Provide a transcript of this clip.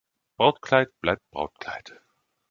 Brautkleid bleibt Brautkleid.